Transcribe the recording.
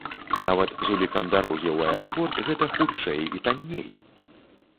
Нават з улікам дарогі ў аэрапорт гэта хутчэй і танней!